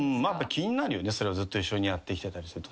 ずっと一緒にやってきてたりするとね。